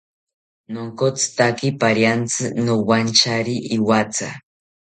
Nonkotzitaki pariantzi nowantyari iwatha